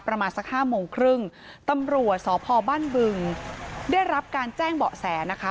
ประมาณสักห้าโมงครึ่งตำรวจสพบ้านบึงได้รับการแจ้งเบาะแสนะคะ